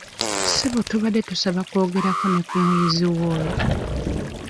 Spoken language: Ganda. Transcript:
Ssebo tubadde tusaba kwogerako ne ku muyiziwo oyo.